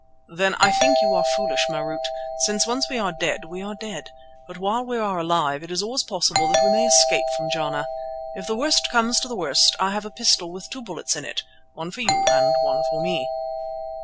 "Then I think you are foolish, Marût, since once we are dead, we are dead; but while we are alive it is always possible that we may escape from Jana. If the worst comes to the worst I have a pistol with two bullets in it, one for you and one for me."